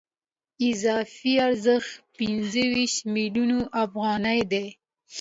اضافي ارزښت پنځه ویشت میلیونه افغانۍ دی